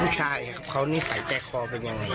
ผู้ชายเขานิสัยแตกคอเป็นอย่างไรเนี่ย